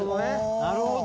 なるほど。